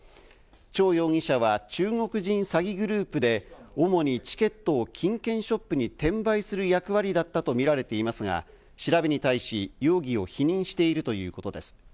チョウ容疑者は中国人詐欺グループで、主にチケットを金券ショップに転売する役割だったとみられていますが、調べに対し容疑を否認しているということです。